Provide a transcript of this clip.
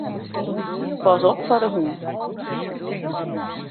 Pas op foar de hûn.